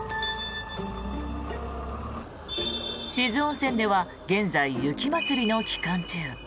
志津温泉では現在、雪まつりの期間中。